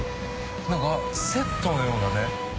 何かセットのようなね。